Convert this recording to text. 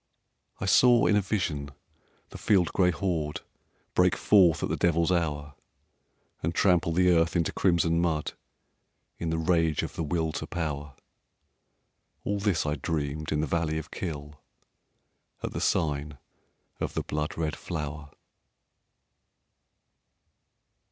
I saw in a vision the field gray horde Break forth at the devil's hour, And trample the earth into crimson mud In the rage of the Will to Power, All this I dreamed in the valley of Kyll, At the sign of the blood red flower.